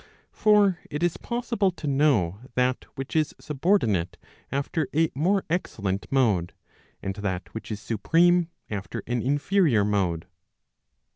For it is possible to know that which is subordinate after a more excellent mode, and that which is supreme after, an inferior mode.